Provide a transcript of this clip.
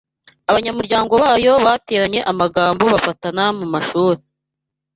abanyamuryango bayo bateranye amagambo bafatana mumashuri